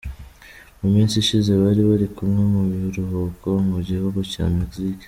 Mu minsi ishije bari barikumwe mu biruhuko mu gihugu cya Mexique.